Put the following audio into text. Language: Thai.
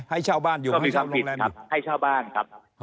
ก็มีความผิดครับให้เช่าบ้านครับ